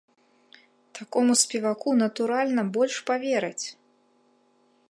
Такому спеваку, натуральна, больш павераць!